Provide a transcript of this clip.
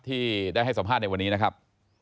ที่ได้ให้สัมภาษณ์ในวันนี้นะครับ